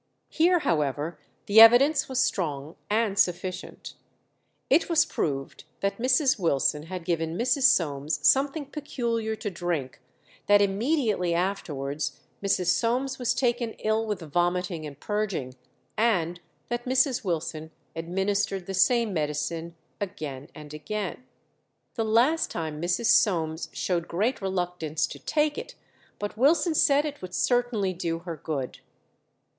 Here, however, the evidence was strong and sufficient. It was proved that Mrs. Wilson had given Mrs. Soames something peculiar to drink, that immediately afterwards Mrs. Soames was taken ill with vomiting and purging, and that Mrs. Wilson administered the same medicine again and again. The last time Mrs. Soames showed great reluctance to take it, but Wilson said it would certainly do her good.